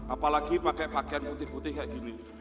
apalagi pakai pakaian putih putih kayak gini